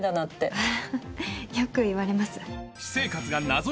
あぁよく言われます。